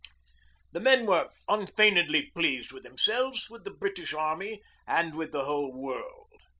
The men were unfeignedly pleased with themselves, with the British Army, and with the whole world.